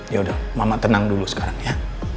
ya udah mama tenang dulu sekarang ya